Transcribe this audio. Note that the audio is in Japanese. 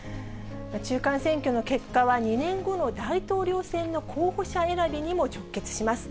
中間選挙の結果は、２年後の大統領選の候補者選びにも直結します。